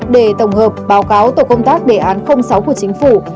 để tổng hợp báo cáo tổ công tác đề án sáu của chính phủ